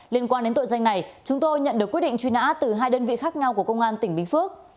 liên quan đến tội danh này chúng tôi nhận được quyết định truy nã từ hai đơn vị khác nhau của công an tỉnh bình phước